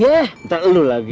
bentar lu lagi